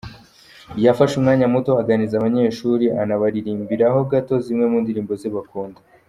yafashe umwanya muto aganiriza abanyeshuri anabaririmbiraho gato zimwe mu ndirimbo ze bakunda .